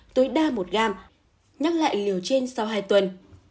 tối đa một gram nhắc lại liều trên sau hai tuần